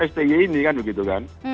stg ini kan begitu kan